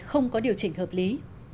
không có điều chỉnh hợp lý